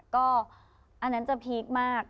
ก็อันนั้นจะพีคมาก